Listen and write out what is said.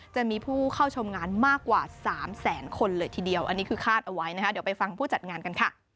จะมีผู้เข้าชมงานมากกว่า๓แสนคนเลยทีเดียวอันนี้คือคาดเอาไว้นะคะ